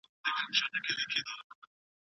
فکر کول انسان لوړوي.